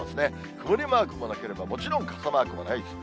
曇りマークもなければ、もちろん傘マークもないです。